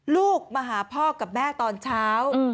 ลูกมาหาพ่อกับแม่ตอนเช้า